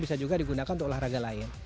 bisa juga digunakan untuk olahraga lain